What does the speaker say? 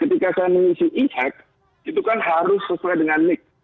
ketika saya mengisi e hack itu kan harus sesuai dengan nick